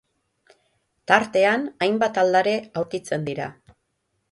Tartean hainbat aldare aurkitzen dira.